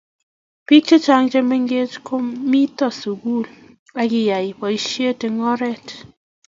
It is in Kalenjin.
biik chechang chemengech kometoi sugul agiyai boishet eng oret